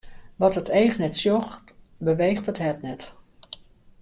Wat it each net sjocht, beweecht it hert net.